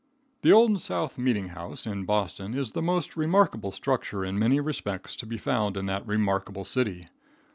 The Old South Meeting House, in Boston, is the most remarkable structure in many respects to be found in that remarkable city.